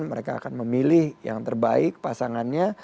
mereka akan memilih yang terbaik pasangannya